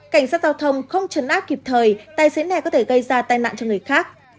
cảnh sát giao thông không chấn áp kịp thời tài xế này có thể gây ra tai nạn cho người khác